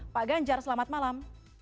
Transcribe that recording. pak ganjar selamat malam